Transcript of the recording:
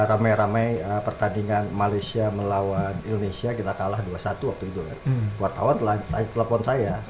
ramai ramai pertandingan malaysia melawan indonesia kita kalah dua puluh satu waktu itu wartawan telah telepon saya